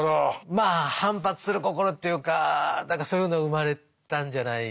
まあ反発する心というか何かそういうのが生まれたんじゃないでしょうかね。